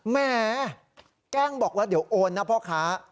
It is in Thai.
แหมแกล้งบอกว่าเดี๋ยวโอนนะพ่อค้า